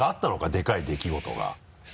でかい出来事が。